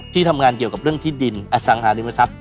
ที่ทำงานเกี่ยวกับเรื่องที่ดินอสังหาริมทรัพย